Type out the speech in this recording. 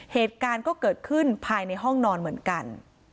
เหตุการณ์ก็เกิดขึ้นภายในห้องนอนเหมือนกัน